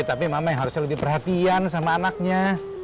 tapi mama yang harusnya lebih perhatian sama anaknya